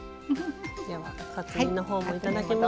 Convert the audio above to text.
ではカツ煮のほうも頂きます。